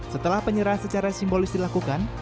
setelah penyerahan secara simbolis dilakukan